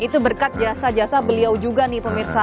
itu berkat jasa jasa beliau juga nih pemirsa